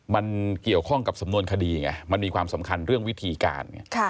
มันเกี่ยวข้องกับสำนวนคดีไงมันมีความสำคัญเรื่องวิธีการไง